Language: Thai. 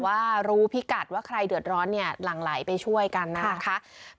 ว่ารู้พิกัดว่าใครเดือดร้อนเนี่ยหลั่งไหลไปช่วยกันนะคะ